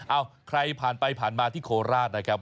เอ้าใครผ่านไปผ่านมาที่โคราชนะครับ